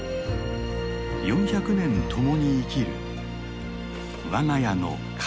４００年共に生きる我が家の神様の木だ。